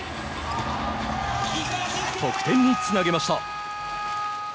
得点につなげました。